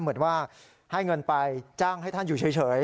เหมือนว่าให้เงินไปจ้างให้ท่านอยู่เฉย